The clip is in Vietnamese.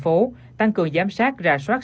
vừa đề nghị các đơn vị trực thuộc sở